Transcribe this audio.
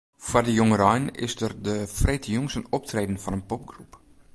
Foar de jongerein is der de freedtejûns in optreden fan in popgroep.